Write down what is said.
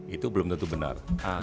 itu belum tentu benar